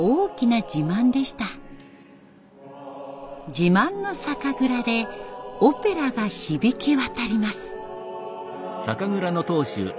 自慢の酒蔵でオペラが響き渡ります。